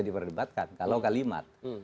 diperdebatkan kalau kalimat